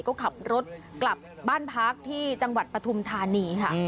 ก็ขับรถกลับบ้านพักที่จังหวัดปฐุมธานีค่ะ